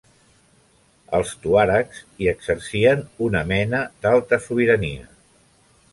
Els tuaregs hi exercien una mena d'alta sobirania.